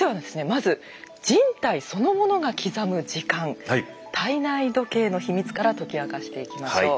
まず人体そのものが刻む時間体内時計の秘密から解き明かしていきましょう。